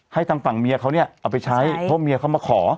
ทางฝั่งเมียเขาเนี่ยเอาไปใช้เพราะเมียเขามาขอ